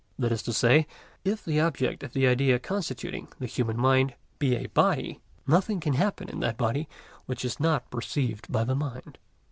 That is to say, if the object of the idea constituting the human mind be a body, nothing can happen in that body which is not perceived by the mind.